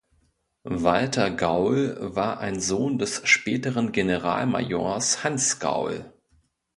Walter Gaul war ein Sohn des späteren Generalmajors Hans Gaul.